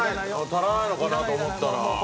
足らないのかなと思ったら。